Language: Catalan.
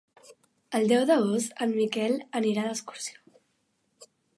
El deu d'agost en Miquel anirà d'excursió.